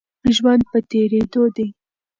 ژوند په تېرېدو دی.